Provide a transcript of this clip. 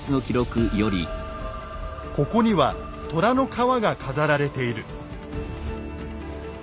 「ここには虎の皮が飾られている」。